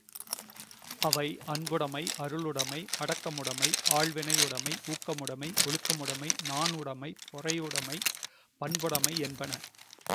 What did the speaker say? அவை அன்புடைமை, அருளுடைமை, அடக்கமுடைமை, ஆள்வினையுடைமை, ஊக்கமுடைமை, ஒழுக்கமுடைமை, நாணுடைமை, பொறையுடைமை, பண்புடைமை என்பன.